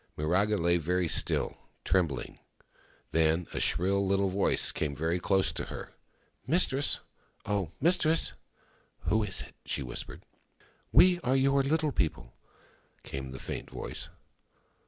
Miraga lay very still, trembling. Then a shrill little voice came, very close to her. " Mistress — oh, mistress !"" Who is it ?" she whispered. " We are your Little People," came the faint voice.